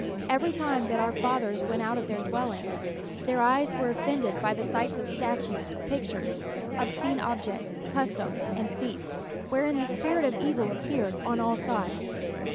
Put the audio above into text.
Every time that our fathers went out of their dwellings, their eyes were offended by the sight of statues, pictures, obscene objects, customs, and feasts, wherein the Spirit of evil appeared on all sides.